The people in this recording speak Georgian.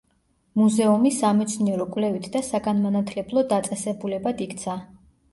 მუზეუმი სამეცნიერო-კვლევით და საგანმანათლებლო დაწესებულებად იქცა.